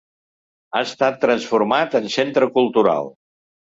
Ha estat transformat en centre cultural.